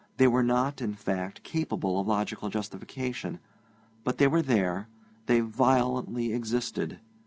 They were not, in fact, capable of logical justification; but they were there, they violently existed.